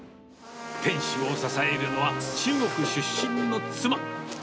店主を支えるのは、中国出身の妻。